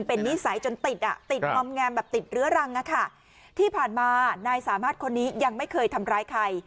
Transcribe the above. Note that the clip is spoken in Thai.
เป็นนิสัยจนติดอ่ะติดงอมแงมแบบติดเรื้อรังอ่ะค่ะที่ผ่านมานายสามารถคนนี้ยังไม่เคยทำร้ายใคร